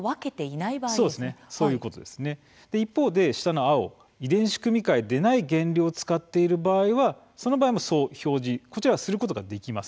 一方で「遺伝子組み換えでない」原料を使っている場合はその場合も表示することができます。